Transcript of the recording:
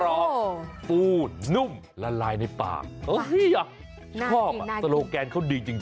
โอ้โหขอบโตโลแกนเขาดีจริง